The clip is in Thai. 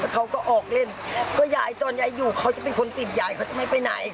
เขาก็ออกเล่นก็ยายตอนยายอยู่เขาจะเป็นคนติดยายเขาจะไม่ไปไหน